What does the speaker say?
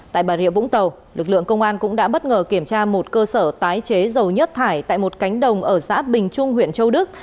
tại bà rịa vũng tàu lực lượng công an cũng đã bất ngờ kiểm tra một cơ sở tái chế dầu nhất thải tại một cánh đồng ở xã bình trung huyện châu đức